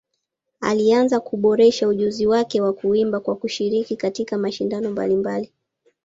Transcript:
Alianza kuboresha ujuzi wake wa kuimba kwa kushiriki katika mashindano mbalimbali.